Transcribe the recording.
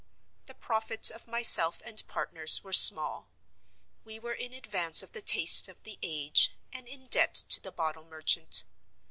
The profits of myself and partners were small; we were in advance of the tastes of the age, and in debt to the bottle merchant.